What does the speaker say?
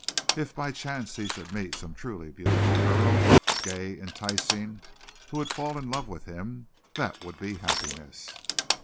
If by chance he should meet some truly beautiful girl, gay, enticing, who would fall in love with him! that would be happiness.